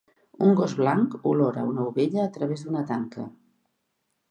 Un gos blanc olora una ovella a través d'una tanca.